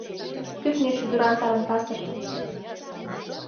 Кӱртньӧ шӱдыран тарантасыжым -